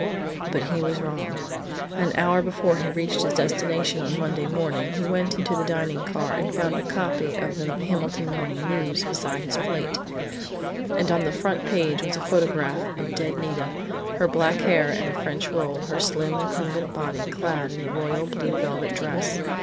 But he was wrong. An hour before he reached his destination on Sunday morning he went into the dining car and found a copy of The Hamilton Morning News beside his plate. And on the front page was a photograph of dead Nita, her black hair in a French roll, her slim, recumbent body clad in the royal blue velvet dress.